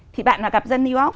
thì bạn mà gặp dân new york